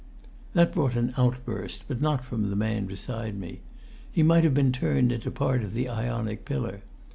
That brought an outburst, but not from the man beside me. He might have been turned into part of the Ionic pillar.